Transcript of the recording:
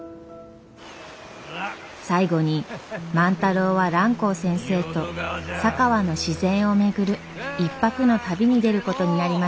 最後に万太郎は蘭光先生と佐川の自然を巡る一泊の旅に出ることになりました。